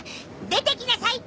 出てきなさい！